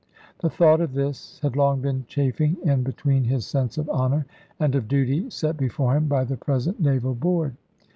The thought of this had long been chafing in between his sense of honour, and of duty set before him by the present Naval Board.